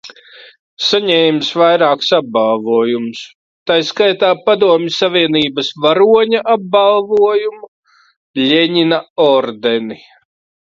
Saņēmis vairākus apbalvojumus, tai skaitā Padomju Savienības Varoņa apbalvojumu, Ļeņina ordeni.